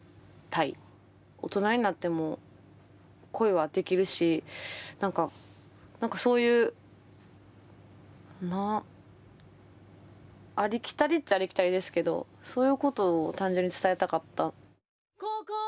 大人になっても恋はできるし何か何かそういうありきたりっちゃありきたりですけどそういうことを単純に伝えたかった。